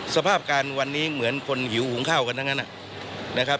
สภาพการวันนี้เหมือนคนหิวหุงข้าวกันทั้งนั้นนะครับ